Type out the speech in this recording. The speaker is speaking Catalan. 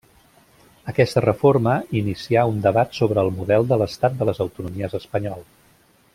Aquesta reforma inicià un debat sobre el model de l'Estat de les Autonomies espanyol.